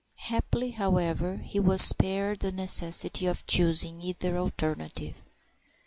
Happily, however, he was spared the necessity of choosing either alternative.